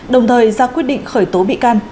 đồng thời ra quyết định khởi tố bị can